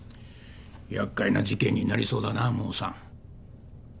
やっかいな事件になりそうだなモーさん。